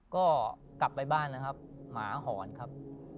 ก็กลับไปบ้านนะครับหมาหอนครับ